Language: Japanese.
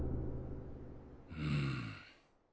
うん。